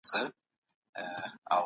د جنازې په مراسمو کې برخه واخلئ.